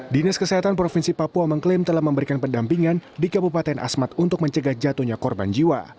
dinas kesehatan provinsi papua mengklaim telah memberikan pendampingan di kabupaten asmat untuk mencegah jatuhnya korban jiwa